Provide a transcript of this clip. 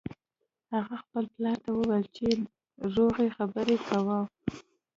هغه خپل پلار ته وویل چې روغې خبرې کوه